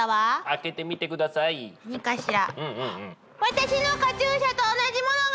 私のカチューシャと同じものが！